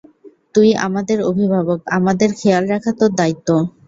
তুই আমাদের অভিবাবক, আমদের খেয়াল রাখা তোর দায়িত্ব।